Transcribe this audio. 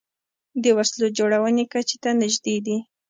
د وسلو جوړونې کچې ته نژدې دي